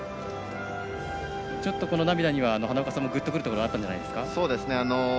ちょっと、この涙には花岡さんもぐっとくるものがあったんじゃないですか。